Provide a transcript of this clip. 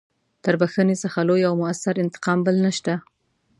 تر بخښنې څخه لوی او مؤثر انتقام بل نشته.